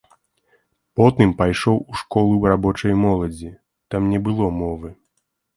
Потым пайшоў у школу рабочай моладзі, там не было мовы.